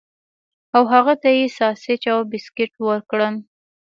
او هغه ته یې ساسج او بسکټ ورکړل